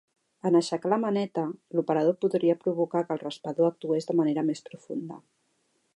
En aixecar la maneta, l'operador podria provocar que el raspador actués de manera més profunda.